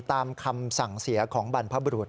ตามคำสั่งเสียของบรรพบรุษ